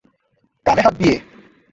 কানে হাত দিয়ে?